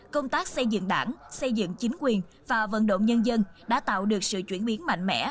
công tác xây dựng đảng xây dựng chính quyền và vận động nhân dân đã tạo được sự chuyển biến mạnh mẽ